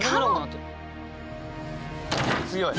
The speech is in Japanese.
強い。